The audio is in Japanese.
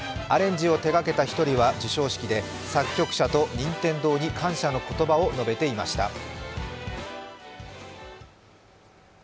アレンジを手がけた一人は、授賞式で、作曲者と任天堂に感謝の言葉を述べていました。